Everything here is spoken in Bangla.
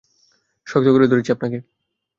শক্ত করে ধরেছি আপনাকে!